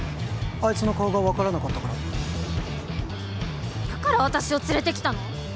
あいつの顔が分からなかったからだから私をつれてきたの？